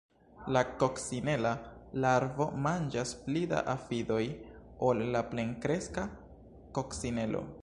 La kokcinela larvo manĝas pli da afidoj ol la plenkreska kokcinelo.